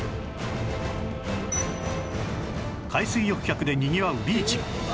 海水浴客でにぎわうビーチ